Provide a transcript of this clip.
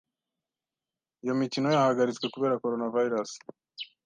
Iyo mikino Yahagaritswe kubera Coronavirus